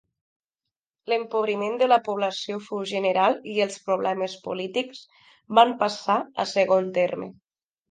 L'empobriment de la població fou general i els problemes polítics van passar a segon terme.